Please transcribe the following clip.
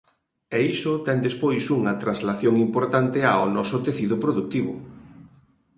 E iso ten despois unha translación importante ao noso tecido produtivo.